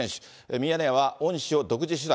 ミヤネ屋は、恩師を独自取材。